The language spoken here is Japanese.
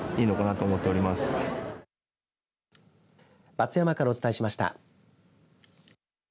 松山からお伝えしました。